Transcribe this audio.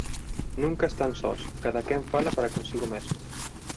Nunca están sós: cadaquén fala para consigo mesmo;